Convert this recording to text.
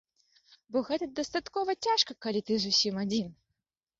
Бо гэта дастаткова цяжка, калі ты зусім адзін.